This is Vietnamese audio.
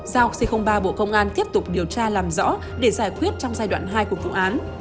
giao c ba bộ công an tiếp tục điều tra làm rõ để giải quyết trong giai đoạn hai của vụ án